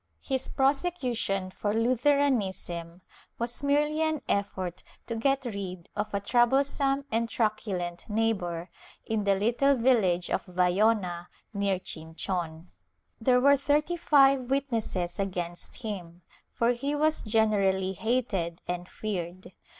His prosecution for Lutheranism was merely an effort to get rid of a troublesome and truculent neighbor, in the little village of Vayona, near Chinchon. There were thirty five witnesses against him, for he was generally hated and feared.